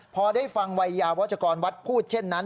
พอได้ฟังวัยยาวัชกรวัดพูดเช่นนั้น